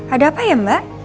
ada apa ya mbak